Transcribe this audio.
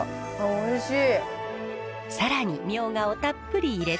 おいしい。